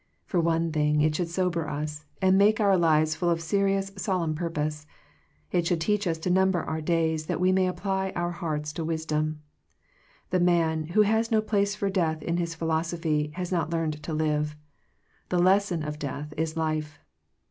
For one thing it should sober us, and make our lives full of serious, solemn purpose. It should teach us to number our days that we may apply our hearts to wisdom. The man, who has no place for death in his philosophy, has not learned to live. The lesson of death is life.